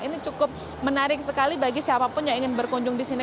ini cukup menarik sekali bagi siapapun yang ingin berkunjung di sini